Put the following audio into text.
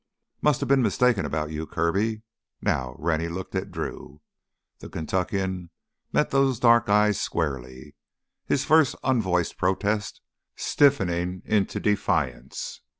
"Must have been mistaken about you, Kirby." Now Rennie looked at Drew. The Kentuckian met those dark eyes squarely, his first unvoiced protest stiffening into defiance.